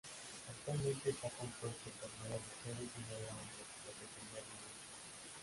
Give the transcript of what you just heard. Actualmente está compuesto por nueve mujeres y nueve hombres más el primer ministro.